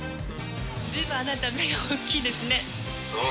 ずいぶんあなた、目が大きいそう？